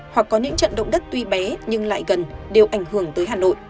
hoặc có những trận động đất tuy bé nhưng lại gần đều ảnh hưởng tới hà nội